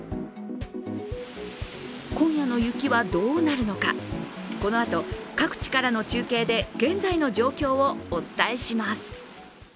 今夜の雪はどうなるのか、このあと各地からの中継で現在の状況をお伝えします。